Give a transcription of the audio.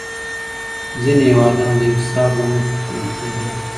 ځینې هېوادونه د اقتصاد له مخې پرمختللي دي.